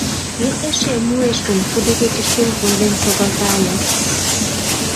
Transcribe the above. Кӧ эше, муэш гын, кудывечышкем конден шогалта ыле?